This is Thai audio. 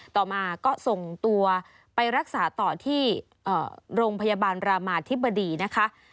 ต่อมาก็ส่งตัวไปรักษาต่อที่โรงพยาบาลรามาธิบดีนะคะ